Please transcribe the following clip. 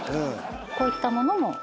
こういったものも。